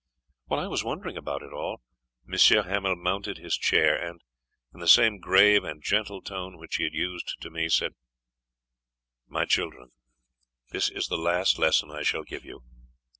While I was wondering about it all, M. Hamel mounted his chair, and, in the same grave and gentle tone which he had used to me, said: "My children, this is the last lesson I shall give you.